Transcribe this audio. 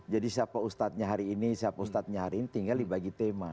jadi siapa ustadznya hari ini siapa ustadznya hari ini tinggal dibagi tema